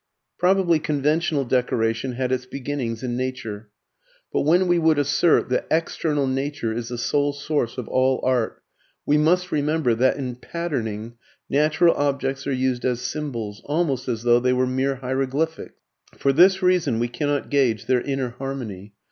Probably conventional decoration had its beginnings in nature. But when we would assert that external nature is the sole source of all art, we must remember that, in patterning, natural objects are used as symbols, almost as though they were mere hieroglyphics. For this reason we cannot gauge their inner harmony.